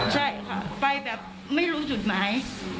ใช่ค่ะไปแบบไม่รู้จุดหมาย